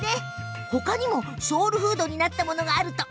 ほかにもソウルフードになったものも。